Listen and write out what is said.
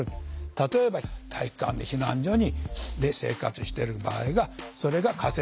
例えば体育館で避難所で生活してる場合がそれが仮設住宅に移っていく。